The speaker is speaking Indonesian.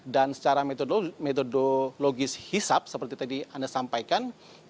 dan secara metodologis hisap seperti tadi anda sampaikan